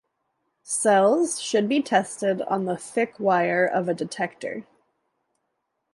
Cells should be tested on the thick wire of a detector.